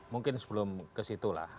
mungkin sebelum ke situ lah